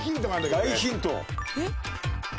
大ヒント？」